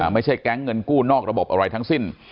ไม่ใช่แก๊งเงินกู้นอกระบบอะไรทั้งสิ้น